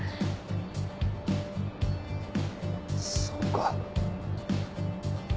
そうか。